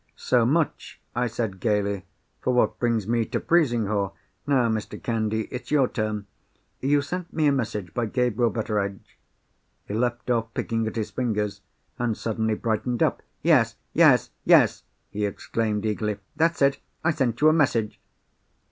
"So much," I said, gaily, "for what brings me to Frizinghall! Now, Mr. Candy, it's your turn. You sent me a message by Gabriel Betteredge——" He left off picking at his fingers, and suddenly brightened up. "Yes! yes! yes!" he exclaimed eagerly. "That's it! I sent you a message!"